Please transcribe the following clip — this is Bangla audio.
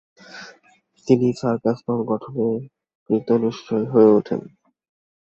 তিনি সার্কাস দল গঠনে কৃতনিশ্চয় হয়ে ওঠেন।